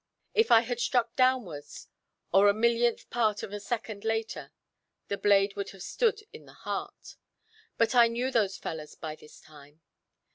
If I had struck downwards, or a millionth part of a second later, the blade would have stood in the heart. But I knew those fellows by this time.